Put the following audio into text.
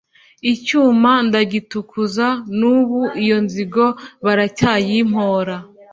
Icyuma ndagitukuza n'ubu iyo nzigo baracyayimpora!